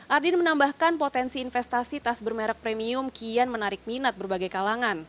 ardin menambahkan potensi investasi tas bermerek premium kian menarik minat berbagai kalangan